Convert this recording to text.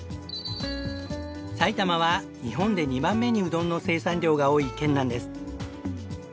埼玉は日本で２番目にうどんの生産量が多い県なんです。